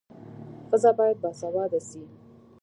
ښځه باید باسواده سي.